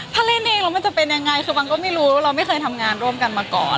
ถ้าเล่นเองแล้วมันจะเป็นยังไงคือมันก็ไม่รู้ว่าเราไม่เคยทำงานร่วมกันมาก่อน